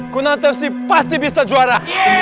kunatafsy pasti bisa juara